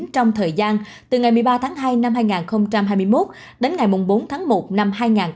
trong thời gian từ ngày một mươi ba tháng hai năm hai nghìn hai mươi một đến ngày bốn tháng một năm hai nghìn hai mươi bốn